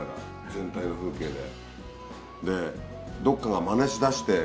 全体の風景で。